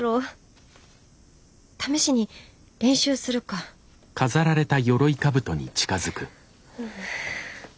試しに練習するかふう。